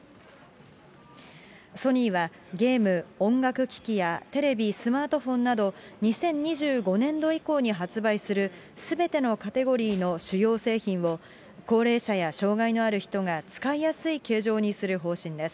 ソニーは、ゲーム、音楽機器やテレビ、スマートフォンなど、２０２５年度以降に発売するすべてのカテゴリーの主要製品を、高齢者や障害のある人が使いやすい形状にする方針です。